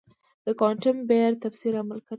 د کوانټم بیارد تفسیر عملگر دی.